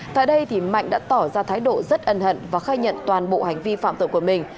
tại đây mạnh đã tỏ ra thái độ rất ân hận và khai nhận toàn bộ hành vi phạm tội của mình